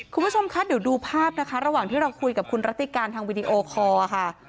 คุณผู้ชมคะเดี๋ยวดูภาพนะคะระหว่างที่เราคุยกับคุณรัติการทางวิดีโอคอร์ค่ะ